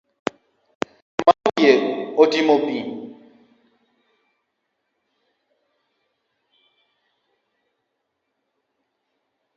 Mama wiye otimo pi